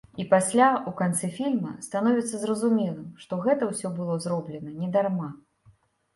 І пасля, у канцы фільма, становіцца зразумелым, што гэта ўсё было зроблена не дарма.